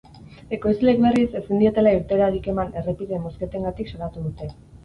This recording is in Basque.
Ekoizleek, berriz, ezin dietela irteerarik eman errepide mozketengatik salatu dute.